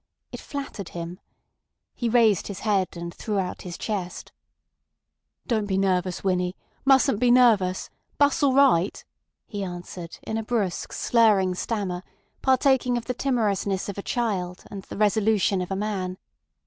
It flattered him. He raised his head and threw out his chest. "Don't be nervous, Winnie. Mustn't be nervous! 'Bus all right," he answered in a brusque, slurring stammer partaking of the timorousness of a child and the resolution of a man.